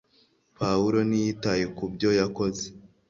Pawulo ntiyitaye ku byo yakoze